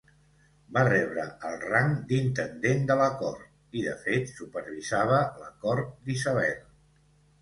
Va rebre el rang d'intendent de la cort; i de fet supervisava la cort d'Isabel.